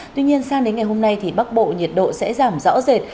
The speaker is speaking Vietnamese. tuy nhiên sang đến ngày hôm nay thì bắc bộ nhiệt độ sẽ giảm rõ rệt